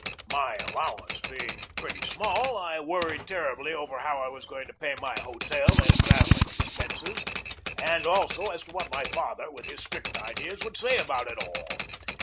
My allowance being pretty small, I worried ter ribly over how I was going to pay my hotel and travelling expenses; and also as to what my father, with his strict ideas, would say about it all.